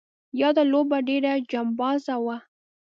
یاده لوبه ډېره چمبازه وه.